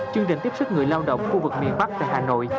chương trình tiếp xúc người lao động khu vực miền bắc và hà nội